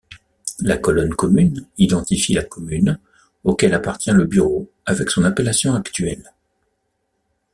La colonne commune identifie la commune auquel appartient le bureau avec son appellation actuelle.